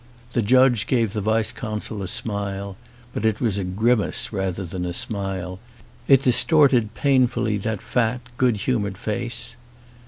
The judge gave the vice consul a smile, but it was a grimace rather than a smile; it distorted .painfully that fat good humoured face.